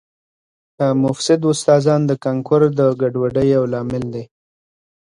مفسد استادان د کانکور د ګډوډۍ یو لامل دي